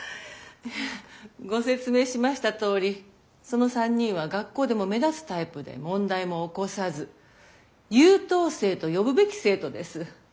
いえご説明しましたとおりその３人は学校でも目立つタイプで問題も起こさず優等生と呼ぶべき生徒です。